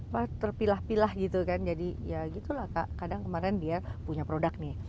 wah terpilah pilah gitu kan jadi ya gitu lah kak kadang kemarin dia punya produk nih